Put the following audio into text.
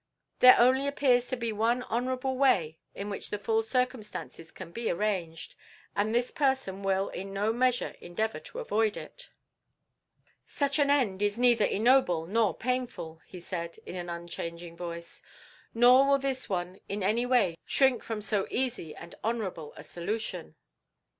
"There only appears to be one honourable way in which the full circumstances can be arranged, and this person will in no measure endeavour to avoid it." "Such an end is neither ignoble nor painful," he said, in an unchanging voice; "nor will this one in any way shrink from so easy and honourable a solution."